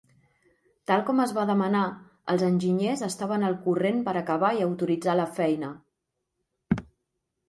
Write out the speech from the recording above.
Tal com es va demanar, els enginyers estaven al corrent per acabar i autoritzar la feina.